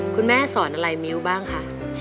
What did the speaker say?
คุณแม่สอนอะไรมิ้วบ้างคะ